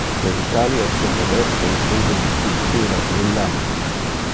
Le detalios sur le veste include un cinctura brillante.